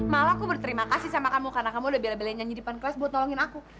malah aku berterima kasih sama kamu karena kamu udah bela belain nyanyi di depan kelas buat nolongin aku